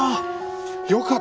よかった。